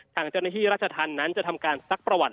ทางเจ้นที่รัชธันทร์นั้นจะทำการซักประวัติ